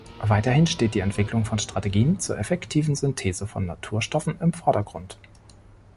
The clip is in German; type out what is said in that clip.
Weiterhin steht die Entwicklung von Strategien zur effektiven Synthese von Naturstoffen im Vordergrund.